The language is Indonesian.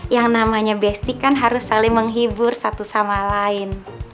yang namanya bestic kan harus saling menghibur satu sama lain